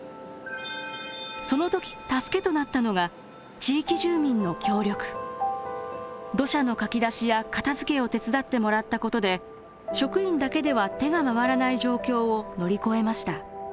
その時助けとなったのが土砂のかき出しや片づけを手伝ってもらったことで職員だけでは手が回らない状況を乗り越えました。